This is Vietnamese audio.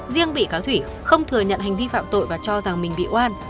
riêng bị cáo thủy không thừa nhận hành vi phạm tội và cho rằng mình bị oan